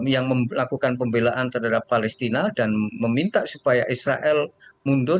yang melakukan pembelaan terhadap palestina dan meminta supaya israel mundur